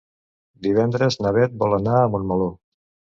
Divendres na Beth vol anar a Montmeló.